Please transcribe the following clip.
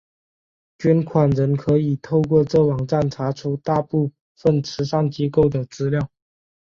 捐款人可以透过这网站查出大部份慈善机构的资料。